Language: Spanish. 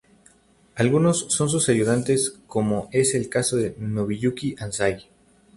Algunos son sus ayudantes como es el caso de Nobuyuki Anzai.